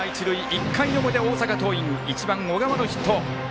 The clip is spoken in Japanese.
１回の表、大阪桐蔭１番、小川のヒット。